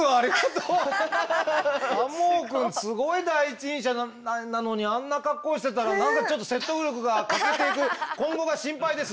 すごい第一人者なのにあんな格好してたら何かちょっと説得力が欠けていく今後が心配です。